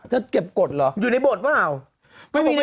จะเก็บกฎเหรออยู่ในบทเปล่า